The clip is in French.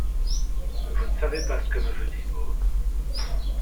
Vous ne savez pas ce que me veut Thibaut ?